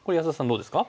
どうですか？